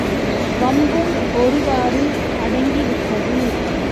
வம்பும் ஒருவாறு அடங்கிவிட்டது.